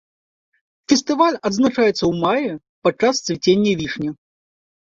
Фестываль адзначаецца ў маі падчас цвіцення вішні.